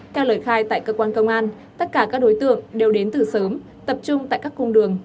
theo lời khai tại cơ quan công an tất cả các đối tượng đều đến từ sớm tập trung tại các cung đường